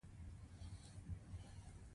موږ ټول واړه کارونه په بې ساري مینه کولای شو.